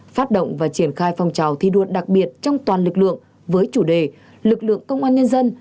phát động và triển khai phong trào thi đua đặc biệt trong toàn lực lượng với chủ đề lực lượng công an nhân dân